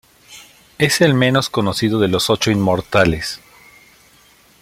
Es el menos conocido de los ocho inmortales.